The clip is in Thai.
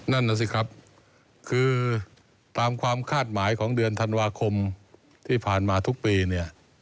นั่นน่ะสิครับคือตามความคาดหมายของเดือนธันวาคมที่ผ่านมาทุกปีเนี่ย